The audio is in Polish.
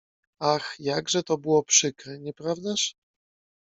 "Ach, jakże to było przykre, nieprawdaż?"